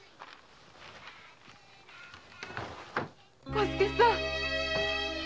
小助さん。